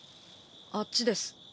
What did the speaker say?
あっちです。